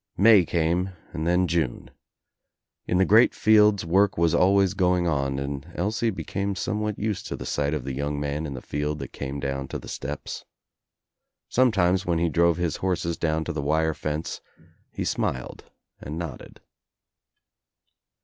May came and then June. In the great fields work was always going on and Elsie became somewhat used to the sight of the young man in the field that came down to the steps. Sometimes when he drove his horses down to the wire fence he smiled and nodded.